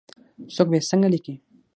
څوک به یې څنګه لیکي ؟